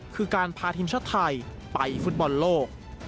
คือการพาทีมชาติไทยไปฟุตบอลโลก